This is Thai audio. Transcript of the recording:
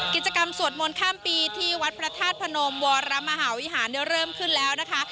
กิจกรรมสวดมนต์ข้ามปีที่วัดพระธาตุพนมวรมหาวิหารเริ่มขึ้นแล้วนะคะ